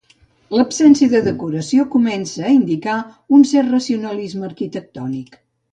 L'absència de decoració comença a indicar un cert racionalisme arquitectònic.